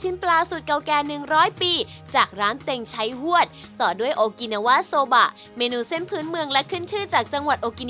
มีทั้ง